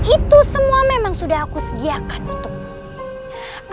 itu semua memang sudah aku sediakan untukmu